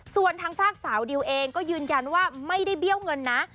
ส่วนทางฝากสาวดิวเองก็ยืนยันว่าไม่ได้เบี้ยวเงินนะ